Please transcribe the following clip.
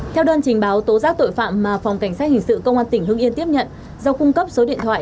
theo đơn trình báo tố giác tội phạm mà phòng cảnh sát hình sự công an tỉnh hưng yên tiếp nhận do cung cấp số điện thoại